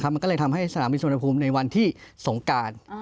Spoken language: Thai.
มันก็เลยทำให้สนามบินสุวรรณภูมิในวันที่สงการ